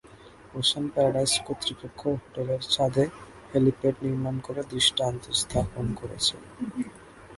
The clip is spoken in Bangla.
ওশান প্যারাডাইস কর্তৃপক্ষ হোটেলের ছাদে হেলিপ্যাড নির্মাণ করে দৃষ্টান্ত স্থাপন করেছে।